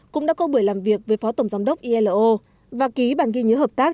cũng đã có buổi làm việc với phó tổng giám đốc ilo và ký bản ghi nhớ hợp tác